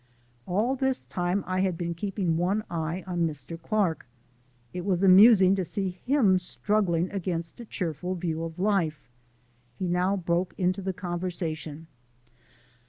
All this time I had been keeping one eye on Mr. Clark. It was amusing to see him struggling against a cheerful view of life. He now broke into the conversation.